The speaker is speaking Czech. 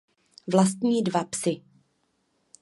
Vlastní dva psy.